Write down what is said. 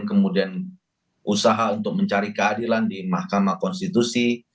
kemudian usaha untuk mencari keadilan di mahkamah konstitusi